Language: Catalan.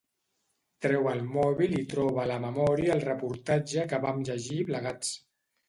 Treu el mòbil i troba a la memòria el reportatge que vam llegir plegats.